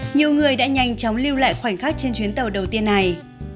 nhiều người đã nhanh chóng lưu lại khoảnh khắc trên chuyến tàu đầu tiên này